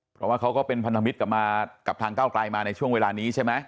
เพราะว่าเขาก็เป็นพันธมิตรกับมากับทางเก้าไกลมาในช่วงเวลานี้ใช่ไหม